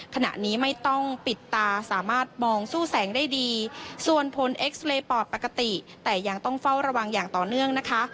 ขณะนี้ไม่ต้องปิดตาสามารถมองสู้แสงได้ดีส่วนผลเอ็กซ์เรย์ปอดปกติแต่ยังต้องเฝ้าระวังอย่างต่อเนื่องนะคะ